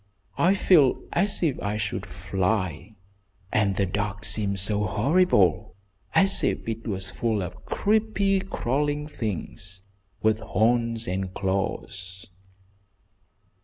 "I feel as if I should fly, and the dark seems so horrible, as if it was full of creepy, crawling things, with horns and claws."